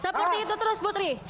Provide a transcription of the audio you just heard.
seperti itu terus putri